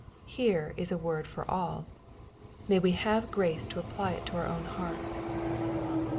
Here is a word for all. May we have grace to apply it to our own hearts